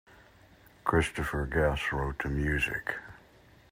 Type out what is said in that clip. Christopher Guest wrote the music.